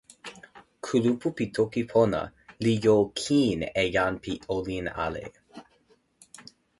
kulupu pi toki pona li jo kin e jan pi olin ali.